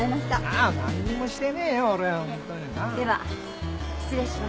では失礼します。